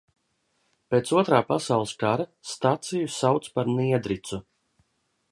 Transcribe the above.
Pēc Otrā pasaules kara staciju sauc par Niedricu.